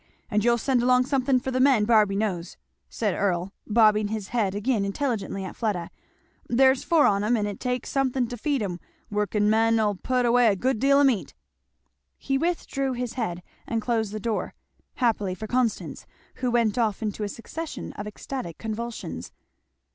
And you'll send along somethin' for the men Barby knows," said Earl bobbing his head again intelligently at Fleda, "there's four on 'em and it takes somethin' to feed 'em workin' men'll put away a good deal o' meat." He withdrew his head and closed the door, happily for Constance, who went off into a succession of ecstatic convulsions.